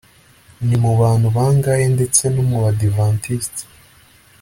Ni mu bantu bangahe ndetse no mu Badiventisti